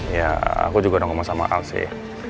ya aku juga udah ngomong sama al sih